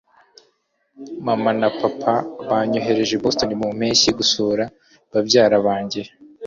Mama na papa banyohereje i Boston mu mpeshyi gusura babyara banjye